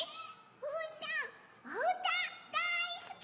うーたんおうただいすき！